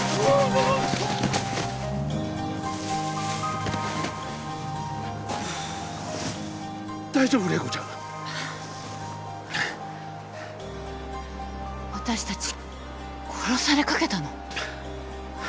私たち殺されかけたの？